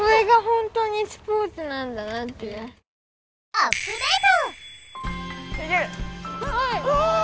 「アップデート！」。